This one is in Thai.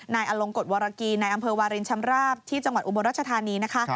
อลงกฎวรกีในอำเภอวารินชำราบที่จังหวัดอุบลรัชธานีนะคะ